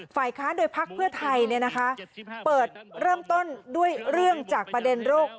ฝ่ายค้าโดยภักดิ์เพื่อไทยเนี้ยนะคะเปิดเริ่มต้นด้วยเรื่องจากประเด็นโรค